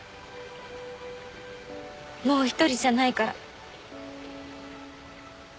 もう一人じゃないから。